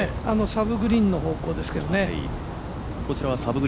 サブグリーンの方向ですけどね。